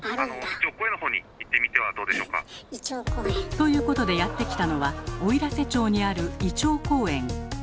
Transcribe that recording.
ということでやって来たのはおいらせ町にあるいちょう公園。